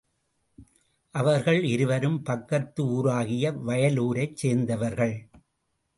அவர்கள் இருவரும் பக்கத்து ஊராகிய வயலூரைச் சேர்ந்தவர்கள்.